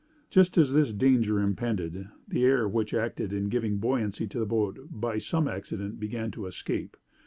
Just as this danger impended, the air which acted in giving buoyancy to the boat, by some accident, began to escape.